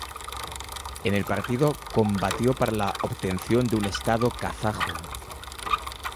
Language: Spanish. En el partido, combatió para la obtención de un estado kazajo.